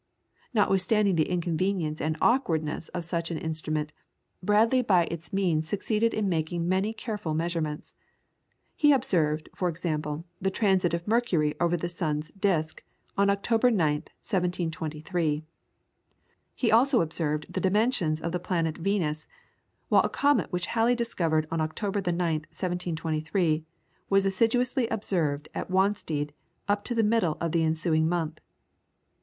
Notwithstanding the inconvenience and awkwardness of such an instrument, Bradley by its means succeeded in making many careful measurements. He observed, for example, the transit of Mercury over the sun's disc, on October 9th, 1723; he also observed the dimensions of the planet Venus, while a comet which Halley discovered on October the 9th, 1723, was assiduously observed at Wanstead up to the middle of the ensuing month.